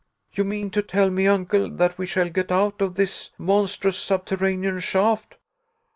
"You mean to tell me, Uncle, that we shall get out of this monstrous subterranean shaft?"